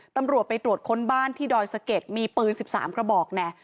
ตำรวจไปตรวจคนบ้านที่ดอยสะเก็ดมีปืน๑๓ขบแน่